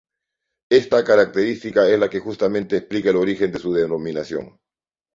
Esta característica es la que justamente explica el origen de su denominación.